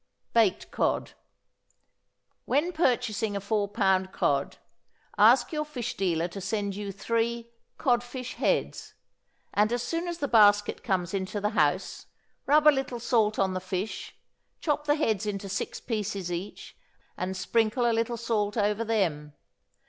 =Baked Cod.= When purchasing a four pound cod, ask your fish dealer to send you three "codfish heads;" and as soon as the basket comes into the house, rub a little salt on the fish, chop the heads into six pieces each, and sprinkle a little salt over them.